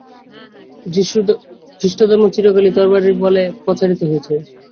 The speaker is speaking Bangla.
খ্রীষ্টধর্ম চিরকালই তরবারির বলে প্রচারিত হয়েছে।